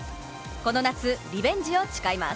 この夏、リベンジを誓います。